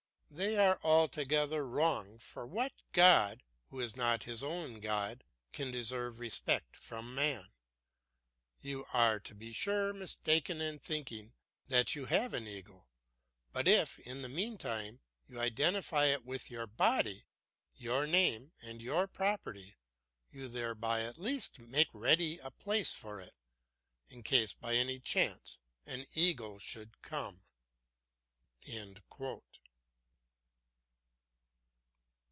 They are altogether wrong; for what god, who is not his own god, can deserve respect from man? You are, to be sure, mistaken in thinking that you have an ego; but if, in the meantime, you identify it with your body, your name and your property, you thereby at least make ready a place for it, in case by any chance an ego should come."